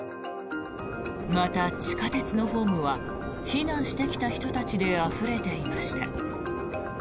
また、地下鉄のホームは避難してきた人たちであふれていました。